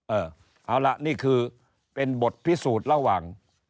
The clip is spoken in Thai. เอาล่ะนี่คือเป็นบทพิสูจน์ระหว่าง